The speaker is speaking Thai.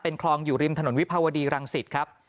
คลองอยู่ริมถนนวิภาวดีรังสิตครับ